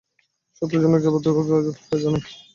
সন্তোষজনক জবাব দেবার জো নেই।